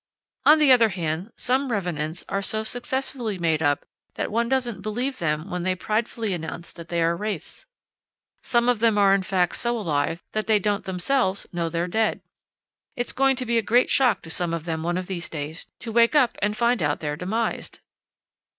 On the other hand, some revenants are so successfully made up that one doesn't believe them when they pridefully announce that they are wraiths. Some of them are, in fact, so alive that they don't themselves know they're dead. It's going to be a great shock to some of them one of these days to wake up and find out they're demised!